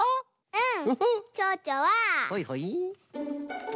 うん。